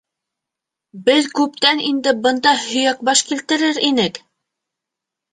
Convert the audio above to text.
Беҙ күптән инде бында һөйәкбаш килтерер инек.